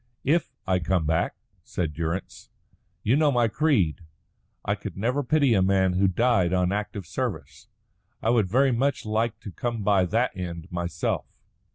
"If I come back," said Durrance. "You know my creed. I could never pity a man who died on active service. I would very much like to come by that end myself."